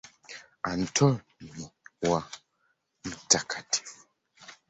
Antoni wa Mt.